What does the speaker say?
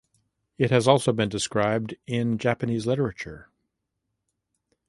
It has also been described in Japanese literature.